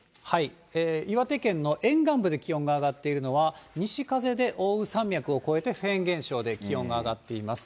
岩手県の沿岸部で気温が上がっているのは、西風で奥羽山脈を越えてフェーン現象で、気温が上がっています。